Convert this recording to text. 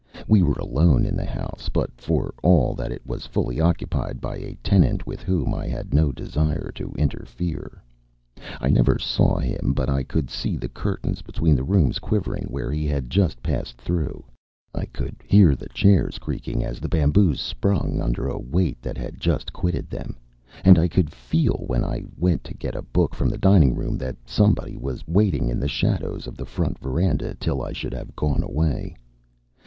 We were alone in the house, but for all that it was fully occupied by a tenant with whom I had no desire to interfere. I never saw him, but I could see the curtains between the rooms quivering where he had just passed through; I could hear the chairs creaking as the bamboos sprung under a weight that had just quitted them; and I could feel when I went to get a book from the dining room that somebody was waiting in the shadows of the front veranda till I should have gone away.